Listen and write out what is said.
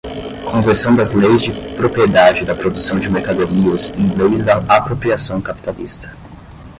Conversão das leis de propriedade da produção de mercadorias em leis da apropriação capitalista